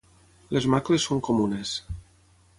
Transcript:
Les macles són comunes.